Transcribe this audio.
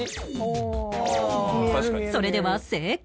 それでは正解